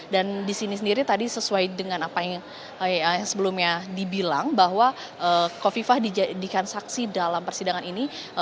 dan disini sendiri tadi sesuai dengan apa yang sebelumnya dibilang bahwa kofifah dijadikan saksi dalam persidangan ini